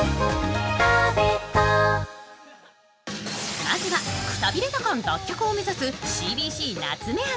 まずはくたびれた感脱却を目指すＣＢＣ・夏目アナ。